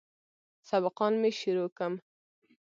سبقان مې شروع کم.